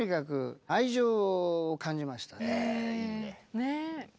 ねえ。